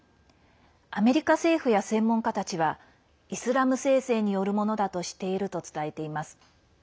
アメリカ政府や専門家たちはイスラム聖戦によるものだとしていると伝えています。